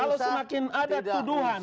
kalau semakin ada tuduhan